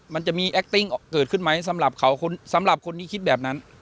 มันจะมีแอคติ้งเกิดขึ้นไหมสำหรับเขาสำหรับคนที่คิดแบบนั้น